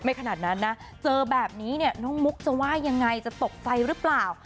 ขนาดนั้นนะเจอแบบนี้เนี่ยน้องมุกจะว่ายังไงจะตกใจหรือเปล่า